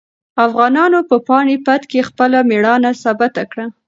افغانانو په پاني پت کې خپله مېړانه ثابته کړه.